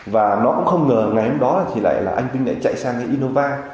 và nó cũng không ngờ ngày hôm đó thì lại là anh vinh lại chạy sang cái innova